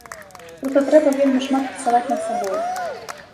Проста трэба вельмі шмат працаваць над сабой.